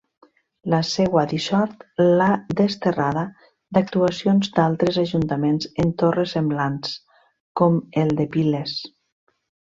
La seua dissort l'ha desterrada d'actuacions d'altres ajuntaments en torres semblants, com el de Piles.